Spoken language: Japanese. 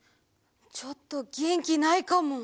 ちょっとげんきないかも。